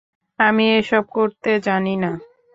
আমি এসব করতে জানি না?